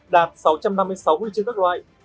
đạt sáu trăm năm mươi sáu huy chương các loại